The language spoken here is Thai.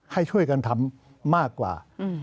ให้ช่วยกันทำมากกว่า